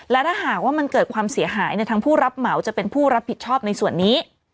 และถ้าหากว่ามันเกิดความเสียหายทางผู้รับเหมาจะเป็นผู้รับผิดชอบในส่วนนี้